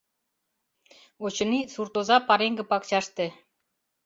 Очыни, суртоза пареҥге пакчаште.